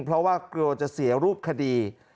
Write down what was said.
เพราะว่ากลัวจะเสียรูปคดี